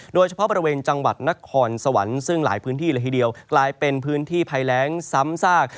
โดยเฉพาะบริเวณจังหวัดนครสวรรค์ซึ่งหลายพื้นที่เลยทีเดียวกลายเป็นพื้นที่ภัยแรงซ้ำซาก